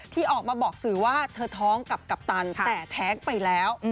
ที่ออกมาบอกสื่อว่าเธอท้องกับกัปตันแต่แท้งไปแล้ว